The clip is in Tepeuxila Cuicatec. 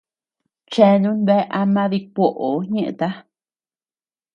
Cheanun bea ama dikuoʼo ñeeta.